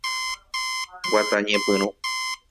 Guata ñepyrũ.